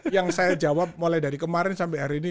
yang saya jawab mulai dari kemarin sampai hari ini